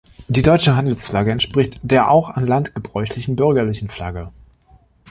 Die deutsche Handelsflagge entspricht der auch an Land gebräuchlichen Bürgerlichen Flagge.